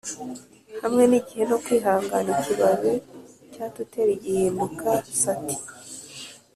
hamwe nigihe no kwihangana ikibabi cya tuteri gihinduka satin.